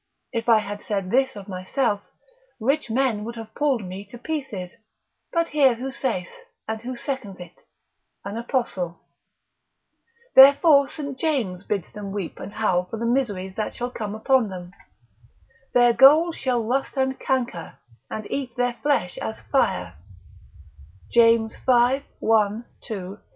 (If I had said this of myself, rich men would have pulled me to pieces; but hear who saith, and who seconds it, an Apostle) therefore St. James bids them weep and howl for the miseries that shall come upon them; their gold shall rust and canker, and eat their flesh as fire, James v. 1, 2, 3.